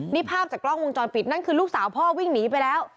นี่ภาพจากกล้องวงจรปิดนั่นคือลูกสาวพ่อวิ่งหนีไปแล้ว